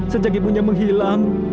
sejak ibunya menghilang